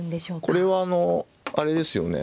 これはあのあれですよね。